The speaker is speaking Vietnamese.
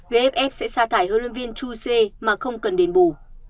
vff sẽ xa thải huấn luyện viên chu xie mà không cần đền bù